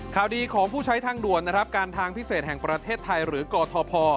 ข่าวดีของผู้ใช้ทางด่วนนะครับการทางพิเศษแห่งประเทศไทยหรือกทพ